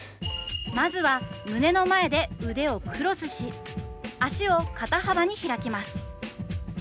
まずは胸の前で腕をクロスし足を肩幅に開きます。